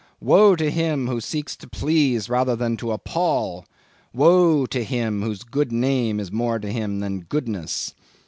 Woe to him who seeks to please rather than to appal! Woe to him whose good name is more to him than goodness!